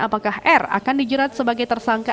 apakah r akan dijerat sebagai tersangka